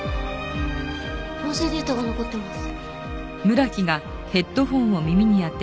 音声データが残ってます。